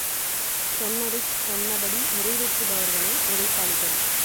சொன்னதைச் சொன்னபடி நிறைவேற்று பவர்களே உழைப்பாளிகள்.